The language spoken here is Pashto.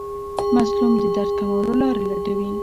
مظلوم د درد کمولو لارې لټوي.